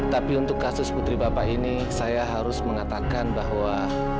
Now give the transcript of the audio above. tapi untuk kasus putri bapak ini saya harus mengatakan bahwa